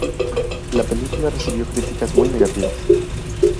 La película recibió críticas muy negativas.